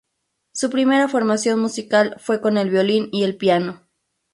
Su primera formación musical fue con el violín y el piano.